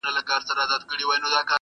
او خپل درد بيانوي خاموشه,